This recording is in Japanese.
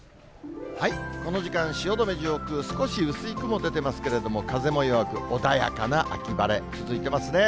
この時間、汐留上空、少し薄い雲出てますけど、風も弱く、穏やかな秋晴れ、続いてますね。